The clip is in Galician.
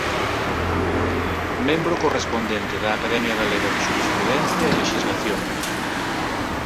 Membro correspondente da Academia Galega de Xurisprudencia e Lexislación.